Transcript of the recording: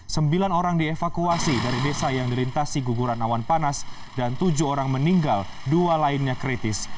sembilan orang dievakuasi dari desa yang dilintasi guguran awan panas dan tujuh orang meninggal dua lainnya kritis